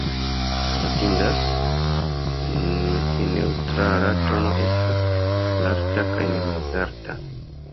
Notindas, ke neŭtrala tono estas malalta kaj ne mezalta.